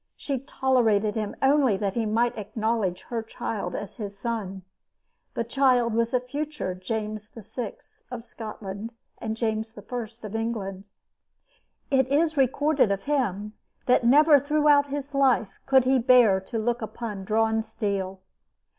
She tolerated him only that he might acknowledge her child as his son. This child was the future James VI. of Scotland and James I. of England. It is recorded of him that never throughout his life could he bear to look upon drawn steel.